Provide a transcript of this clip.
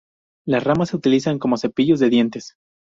Las ramas se utilizan como cepillos de dientes.